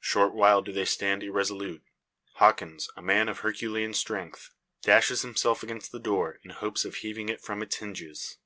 Short while do they stand irresolute. Hawkins, a man of herculean strength, dashes himself against the door, in hopes of heaving it from its hinges.